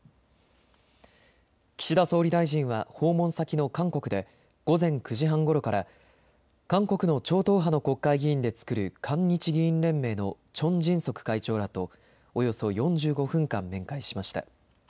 岸田総理大臣は訪問先の韓国で午前９時半ごろから韓国の超党派の国会議員で作る韓日議員連盟のチョン・ジンソク会長らとおよそ４５分間、面会しました。